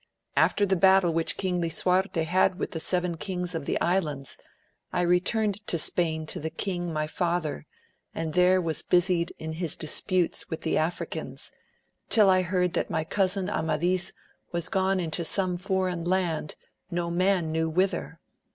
After the battle which Eang Lisuarte had with the seven Kings of the Islands, I returned into Spain to the king my father, and there was busied in his disputes with the Africans, till I heard that my cousin Amadis was gone into some foreign land no man knew whither.